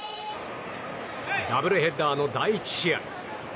ダブルヘッダーの第１試合。